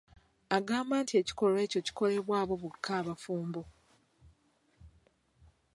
Agamba nti ekikolwa ekyo kikolebwa abo bokka abafumbo.